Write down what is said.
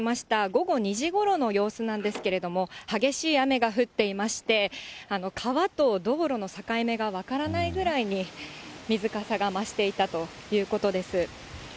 午後２時ごろの様子なんですけれども、激しい雨が降っていまして、川と道路の境目が分からないぐらいに、水かさが増していたということです。